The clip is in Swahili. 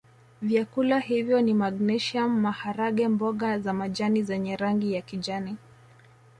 Vyakula hivyo ni magnesium maharage mboga za majani zenye rangi ya kijani